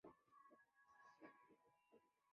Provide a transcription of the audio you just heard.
纳业湾遗址的历史年代为唐汪式。